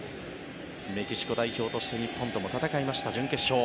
メキシコ代表として日本とも戦いました、準決勝。